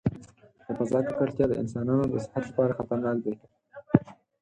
د فضا ککړتیا د انسانانو د صحت لپاره خطرناک دی.